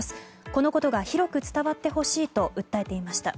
このことが広く伝わってほしいと訴えていました。